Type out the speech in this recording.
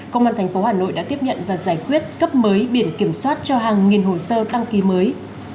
công an tp hà nội đã tiếp nhận và giải quyết cấp mới biển kiểm soát cho hàng nghìn hồ sơ đăng ký mới